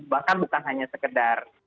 bahkan bukan hanya sekedar